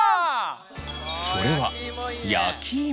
それは焼きいも。